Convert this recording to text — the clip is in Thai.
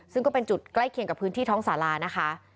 ซึ่งก็เป็นจุดใกล้เคียงกับพื้นที่ท้องศาลานะคะ